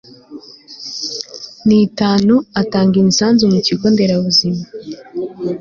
n itanu atanga imisanzu mu kigonderabuzima